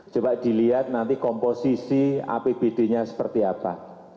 coba dilihat nanti komposisi apbd nya seperti apa